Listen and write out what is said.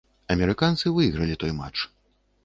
Амерыканцы выйгралі той матч.